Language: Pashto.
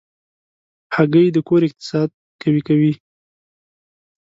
هګۍ د کور اقتصاد قوي کوي.